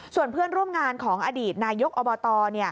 ส่วนเพื่อนร่วมงานของอดีตนายกอบต